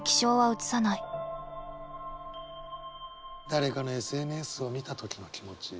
誰かのＳＮＳを見た時の気持ち。